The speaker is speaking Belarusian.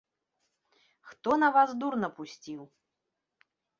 Хто на вас дур напусціў?